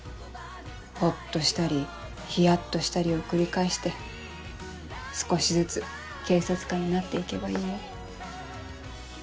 ほっとしたりヒヤっとしたりを繰り返して少しずつ警察官になって行けばいいよ。